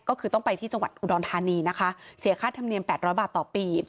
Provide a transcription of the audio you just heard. ก็คือต้องไปที่จังหวัดอุดรธานีนะคะเสียค่าธรรมเนียม๘๐๐บาทต่อปี